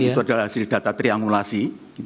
itu adalah hasil data trianulasi